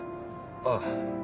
ああ。